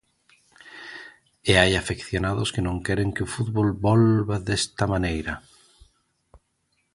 E hai afeccionados que non queren que o fútbol volva desta maneira.